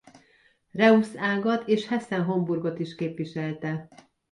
Reuss-ágat és Hessen-Homburgot is képviselte.